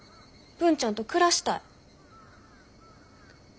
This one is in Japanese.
文ちゃんと暮らしたい。